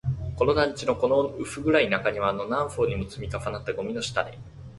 この団地の、この薄暗い中庭の、何層にも積み重なったゴミの下で